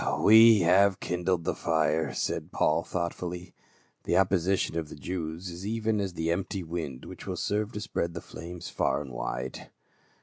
19 29G PAUL. " We have kindled the fire," said Paul thought fully ;" the opposition of the Jews is even as the empty wind which will serve to spread the flames far and wide.